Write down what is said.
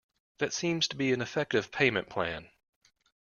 That seems to be an effective payment plan